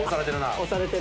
押されてる？